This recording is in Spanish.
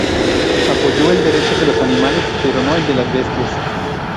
Apoyo el derecho de los animales, pero no el de las bestias.